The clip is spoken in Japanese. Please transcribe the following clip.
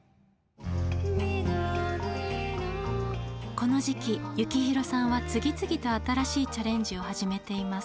この時期幸宏さんは次々と新しいチャレンジを始めています。